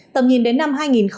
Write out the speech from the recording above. tầm nhìn đến năm hai nghìn hai mươi